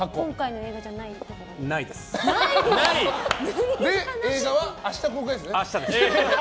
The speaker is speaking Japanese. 映画は明日公開ですね？